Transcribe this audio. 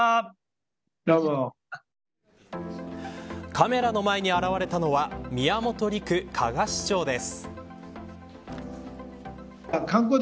カメラの前に現れたのは宮元陸加賀市長です。